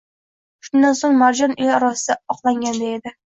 Shundan so‘ng Marjon el orasida oqlanganday edi